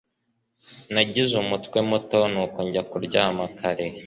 Nagize umutwe muto nuko njya kuryama kare